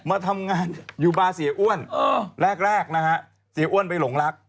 มาทำงานอยู่บาร์เสียอ้วนแรกนะฮะเสียอ้วนไปหลงรัก